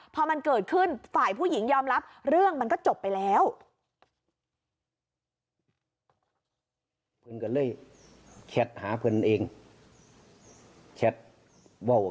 พอมันเกิดขึ้นฝ่ายผู้หญิงยอมรับเรื่องมันก็จบไปแล้ว